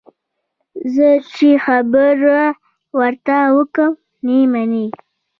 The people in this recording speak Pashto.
زه چې خبره ورته وکړم، نه یې مني.